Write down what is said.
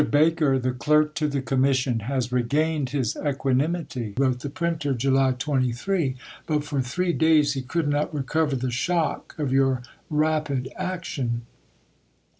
Baker [the Clerk to the Commission] has regained his equanimity," wrote the printer (July 23); "but for three days he could not recover the shock of your rapid action."